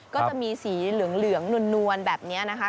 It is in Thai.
ก็จะมีสีเหลืองนวลแบบนี้นะคะ